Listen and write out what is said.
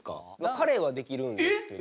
彼はできるんですけど。